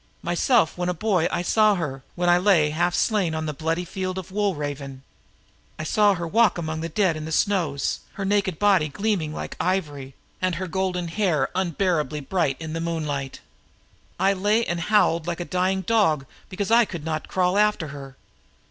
Myself when a boy I saw her, when I lay half slain on the bloody field of Wolraven. I saw her walk among the dead in the snows, her naked body gleaming like ivory and her golden hair like a blinding flame in the moonlight. I lay and howled like a dying dog because I could not crawl after her.